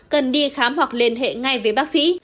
cần đi khám hoặc liên hệ ngay với bác sĩ